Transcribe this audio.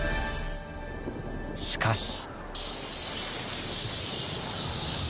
しかし。